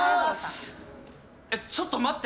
えっ、ちょっと待って。